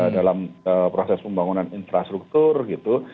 dalam proses pembangunan infrastruktur gitu